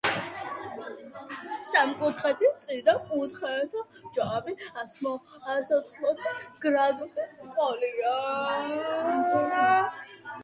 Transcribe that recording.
სამკუთხედის შიდა კუთხეთა ჯამი ასოთხმოცი გრადუსის ტოლია.